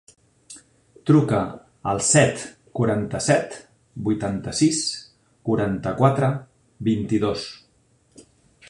Truca al set, quaranta-set, vuitanta-sis, quaranta-quatre, vint-i-dos.